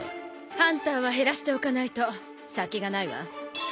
ハンターは減らしておかないと先がないわ。